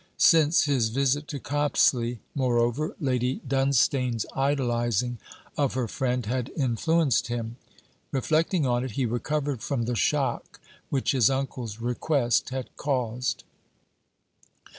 Since his visit to Copsley, moreover, Lady Dunstane's idolizing, of her friend had influenced him. Reflecting on it, he recovered from the shock which his uncle's request had caused.